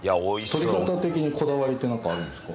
取り方的にこだわりってなんかあるんですか？